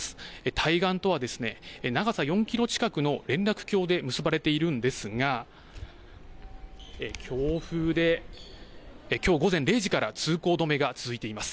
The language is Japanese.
対岸とは長さ４キロ近くの連絡橋で結ばれているんですが強風できょう午前０時から通行止めが続いています。